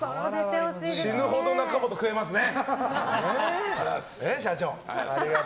死ぬほど中本食えますね。